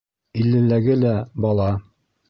Иллеләге лә бала.